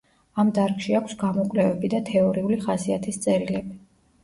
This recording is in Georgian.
ამ დარგში აქვს გამოკვლევები და თეორიული ხასიათის წერილები.